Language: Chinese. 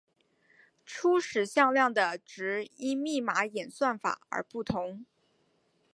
初始向量的值依密码演算法而不同。